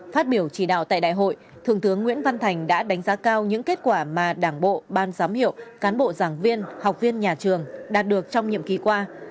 phát biểu chỉ đạo tại đại hội thượng tướng nguyễn văn thành đã đánh giá cao những kết quả mà đảng bộ ban giám hiệu cán bộ giảng viên học viên nhà trường đạt được trong nhiệm kỳ qua